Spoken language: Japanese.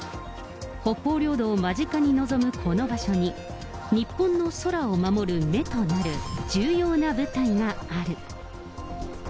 北方領土を間近に望むこの場所に、日本の空を守る目となる重要な部隊がある。